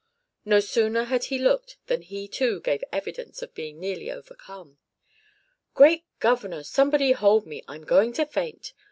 No sooner had he looked than he too gave evidence of being nearly overcome. "Great governor! somebody hold me. I'm going to faint!"